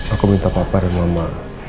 aku minta papa dan mama